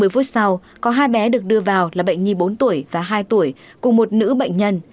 ba mươi phút sau có hai bé được đưa vào là bệnh nhi bốn tuổi và hai tuổi cùng một nữ bệnh nhân